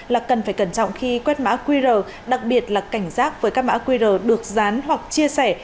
là cần phải cẩn trọng khi quét mã qr đặc biệt là cảnh giác với các mã qr được dán hoặc chia sẻ